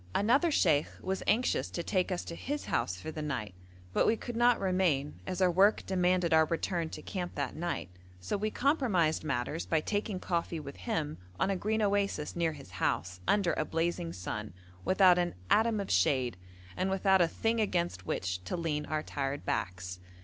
Another sheikh was anxious to take us to his house for the night, but we could not remain, as our work demanded our return to camp that night, so we compromised matters by taking coffee with him on a green oasis near his house, under a blazing sun, without an atom of shade, and without a thing against which to lean our tired backs.